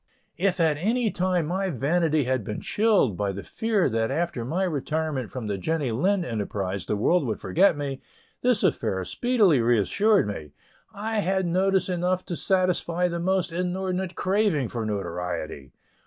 If at any time my vanity had been chilled by the fear that after my retirement from the Jenny Lind enterprise the world would forget me, this affair speedily reassured me; I had notice enough to satisfy the most inordinate craving for notoriety.